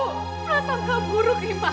perasangka buruk gimana